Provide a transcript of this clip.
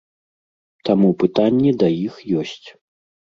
Таму пытанні да іх ёсць.